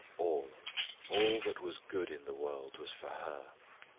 All all that was good in the world was for her.